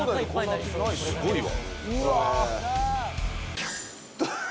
すごいわ。